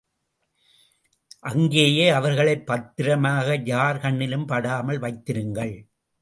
அங்கேயே அவர்களைப் பத்திரமாக யார் கண்ணிலும் படாமல் வைத்திருங்கள்.